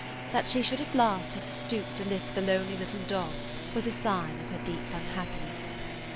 That she should at last have stooped to lift the lonely little dog was a sign of her deep unhappiness.